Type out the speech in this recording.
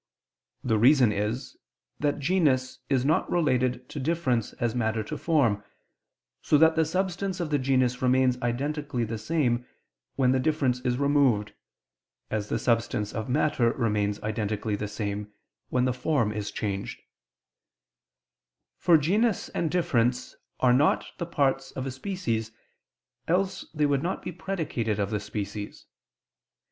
The reason is that genus is not related to difference as matter to form, so that the substance of the genus remains identically the same, when the difference is removed, as the substance of matter remains identically the same, when the form is changed: for genus and difference are not the parts of a species, else they would not be predicated of the species.